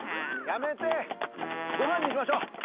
やめてごはんにしましょう！